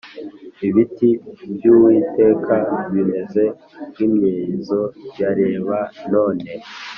Ibiti byuwiteka bimeze nkimyerezo ya reba none